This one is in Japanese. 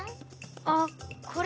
あっこれ？